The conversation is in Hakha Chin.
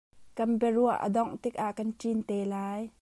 Kan biaruah a dongh tikah kan ṭin te lai.